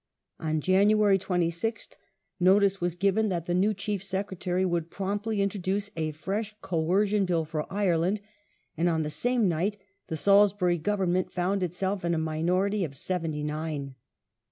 On January 26th notice was given that the new Chief Secretary would promptly introduce a fresh Coercion Bill for Ireland, and on the same night the Salisbury Goverament found itself in a minority of seventy nine.